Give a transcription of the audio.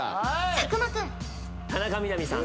佐久間君田中みな実さん